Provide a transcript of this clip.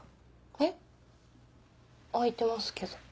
えっ？空いてますけど。